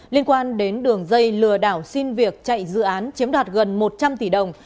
liên quan đến đường dây lừa đảo xin việc chạy dự án chiếm đoạt gần một trăm linh tỷ đồng